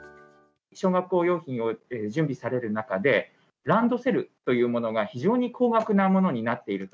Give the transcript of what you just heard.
小学校用品を準備される中で、ランドセルというものが非常に高額なものになっていると。